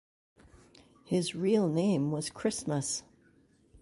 His real name was Christmas!